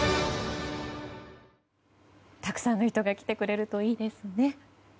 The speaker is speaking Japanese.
たくさんの人が来てくれるといいですね。